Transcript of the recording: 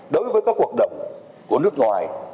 đối với các cuộc động của nước ngoài